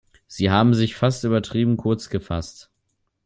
Sie haben sich fast übertrieben kurz gefasst.